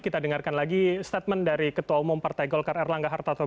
kita dengarkan lagi statement dari ketua umum partai golkar erlangga hartarto